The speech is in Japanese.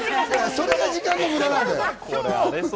それが時間の無駄なのよ。